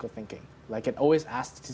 seperti itu selalu bertanya kepada para pelajar